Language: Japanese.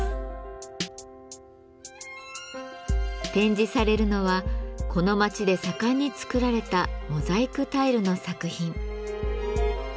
展示されるのはこの町で盛んに作られたモザイクタイルの作品。